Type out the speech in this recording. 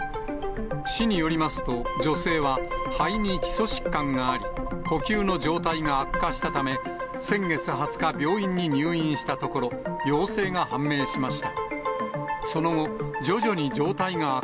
市によりますと、女性は、肺に基礎疾患があり、呼吸の状態が悪化したため、先月２０日、病院に入院したところ、陽性が判明しました。